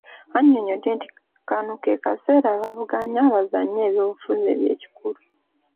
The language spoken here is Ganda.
Annyonnyodde nti kano ke kaseera abaavuganya bazannye ebyobufuzi eby'ekikulu